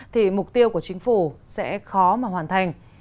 thì mục tiêu của chính phủ sẽ khó mà hoàn thành